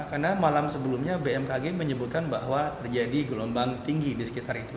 karena malam sebelumnya bmkg menyebutkan bahwa terjadi gelombang tinggi di sekitar itu